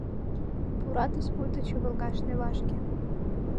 Пуратыс пуйто чывылгаш Невашке